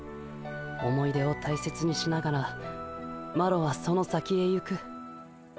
思い出を大切にしながらマロはその先へ行く。